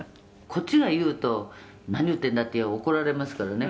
「こっちが言うと“何言ってんだ”って怒られますからね